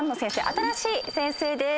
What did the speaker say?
新しい先生です。